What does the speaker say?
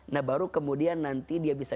nah baru kemudian nanti dia bisa